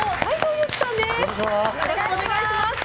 よろしくお願いします。